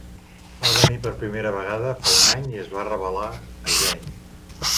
Va venir per primera vegada fa un any i es va revelar a Jeanne.